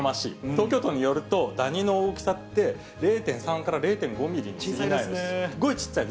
東京都によると、ダニの大きさって、０．３から０．５ミリで、すごいちっちゃい。